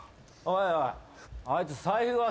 おい。